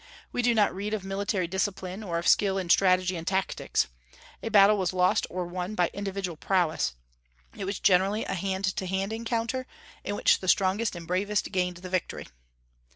We do not read of military discipline, or of skill in strategy and tactics. A battle was lost or won by individual prowess; it was generally a hand to hand encounter, in which the strongest and bravest gained the victory.